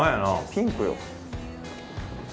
ピンクよ。